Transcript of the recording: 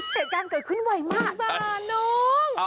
เศรษฐานเกิดขึ้นไวมาก